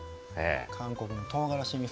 韓国のとうがらしみそ。